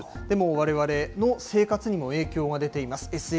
でも、われわれの生活にも影響が出ています。